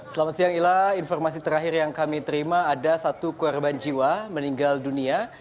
selamat siang ila informasi terakhir yang kami terima ada satu korban jiwa meninggal dunia